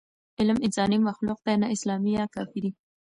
علم انساني مخلوق دی، نه اسلامي یا کافري.